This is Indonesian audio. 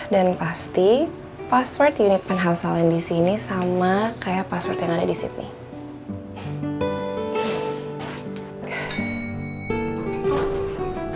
dan pasti password unit penhal salin disini sama kayak password yang ada di sydney